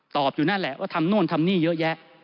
อยู่นั่นแหละว่าทำโน่นทำนี่เยอะแยะ